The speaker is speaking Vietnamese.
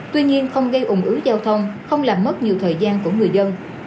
tuy nhiên không gây ủng ứ giao thông không làm mất nhiều thời gian của người dân